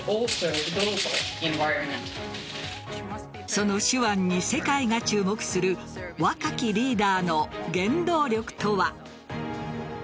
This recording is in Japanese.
その手腕に世界が注目する若きリーダーの原動力とは。